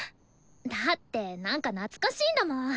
だってなんか懐かしいんだもん。